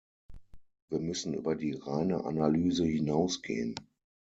Wir müssen über die reine Analyse hinausgehen.